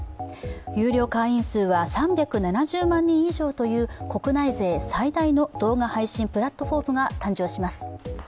有料会員数は３７０万人以上という国内勢最大の動画配信プラットフォームが誕生します。